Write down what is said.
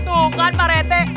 tuh kan pak rete